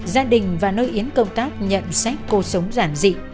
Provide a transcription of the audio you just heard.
gia đình và nơi yến công tác nhận sách cô sống giản dị